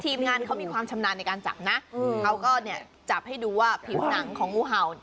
ทีมงานเขามีความชำนาญในการจับนะเขาก็เนี่ยจับให้ดูว่าผิวหนังของงูเห่า